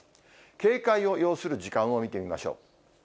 警戒を要する時間を見てみましょう。